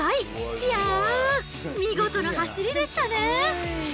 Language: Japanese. いやー、見事な走りでしたね。